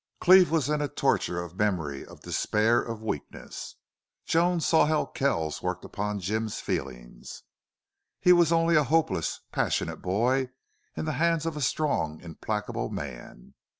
Cleve was in a torture of memory, of despair, of weakness. Joan saw how Kells worked upon Jim's feelings. He was only a hopeless, passionate boy in the hands of a strong, implacable man.